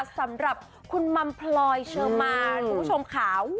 สำหรับคุณมัมพลอยเชอร์มานคุณผู้ชมค่ะ